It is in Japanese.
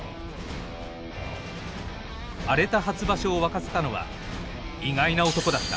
荒れた初場所を沸かせたのは意外な男だった。